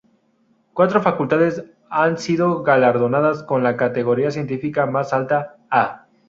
Cuatro facultades han sido galardonadas con la categoría científica más alta "A".